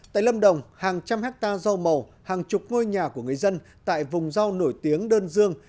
tại lâm đồng hàng trăm hectare rau màu hàng chục ngôi nhà của người dân tại vùng rau nổi tiếng đơn dương